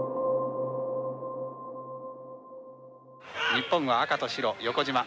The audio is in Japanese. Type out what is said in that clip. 日本は赤と白、横じま。